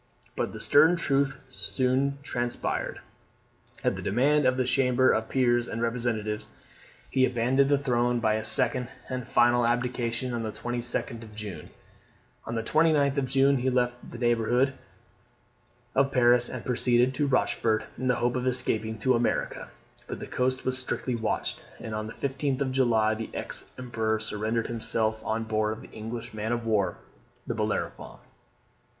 But the stern truth soon transpired. At the demand of the Chambers of Peers and Representatives, he abandoned the throne by a second and final abdication on the 22d of June. On the 29th of June he left the neighbourhood of Paris, and proceeded to Rochefort in the hope of escaping to America; but the coast was strictly watched, and on the 15th of July the ex emperor surrendered himself on board of the English man of war the Bellerophon.